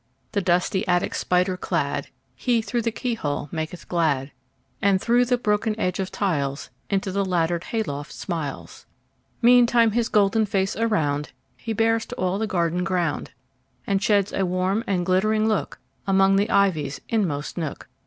The dusty attic spider cladHe, through the keyhole, maketh glad; And through the broken edge of tiles, Into the laddered hay loft smiles. Meantime his golden face aroundHe bears to all the garden ground, And sheds a warm and glittering lookAmong the ivy's inmost nook.